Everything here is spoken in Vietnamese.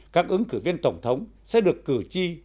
các ứng cử viên tổng thống sẽ được cử tri